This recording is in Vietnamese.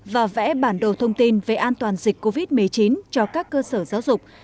và vẽ bản đồ thông tin về an toàn dịch covid một mươi chín cho các cơ sở giáo dục